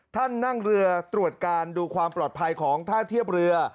นั่งเรือตรวจการดูความปลอดภัยของท่าเทียบเรือ